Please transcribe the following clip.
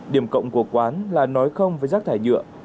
điểm cộng của quán là nói không với rác thải nhựa